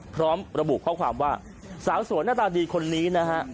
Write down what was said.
พร้อมระบุข้อความว่าสาวสวยหน้าตาดีคนนี้นะฮะ